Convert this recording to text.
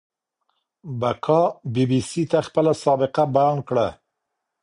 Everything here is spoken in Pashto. بکا بي بي سي ته خپله سابقه بيان کړه.